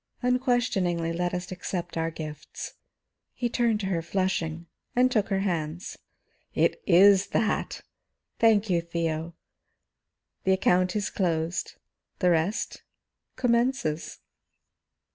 Unquestioningly let us accept our gifts." He turned to her, flushing, and took her hands. "It is that! Thank you, Theo. The account is closed; the rest commences."